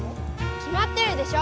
きまってるでしょ！